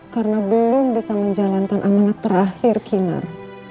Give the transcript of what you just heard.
karena belum bisa menjalankan amanat terakhir kinar